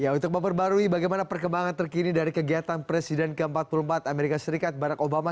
untuk memperbarui bagaimana perkembangan terkini dari kegiatan presiden ke empat puluh empat amerika serikat barack obama